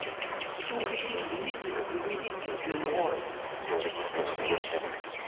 Ssukk-iyi-d nnig n wid i d-ikkren ɣur-i.